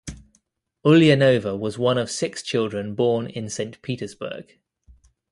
Ulyanova was one of six children born in Saint Petersburg.